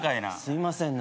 すいません。